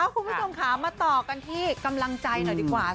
คุณผู้ชมค่ะมาต่อกันที่กำลังใจหน่อยดีกว่า